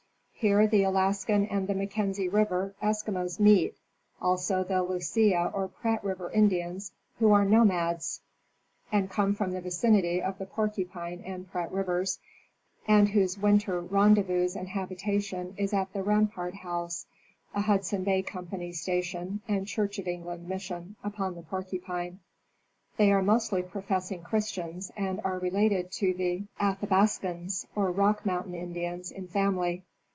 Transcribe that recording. Here the Alaskan and the Mackenzie river Eskimos meet, also the Lucia or Prat river Indians, who are nomads and come from the vicinity of the Porcupine and Prat rivers, and whose: winter rendezvous and habitation is at the Rampart house, a Hudson Bay Company's station and Church of England mission,, upon the Porcupine. They are mostly professing Christians and are related to the Athabascans, or Rock mountain Indians, in family.